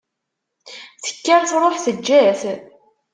Tekker truḥ teǧǧa-t.